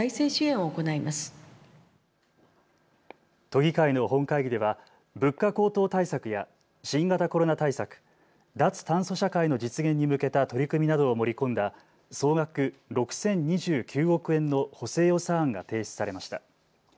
都議会の本会議では物価高騰対策や新型コロナ対策、脱炭素社会の実現に向けた取り組みなどを盛り込んだ総額６０２９億円の補正予算案が提出されました。